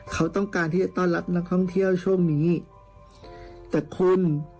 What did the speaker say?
เขาต้องการที่จะต้อนรับนักท่องเที่ยวช่วงนี้แต่คุณ